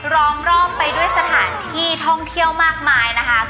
ล้อมรอบไปด้วยสถานที่ท่องเที่ยวมากมายนะคะ